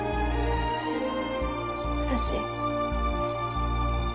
私。